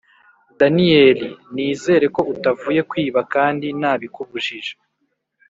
daniel! nizere ko utavuye kwiba kandi nabikubujije!! “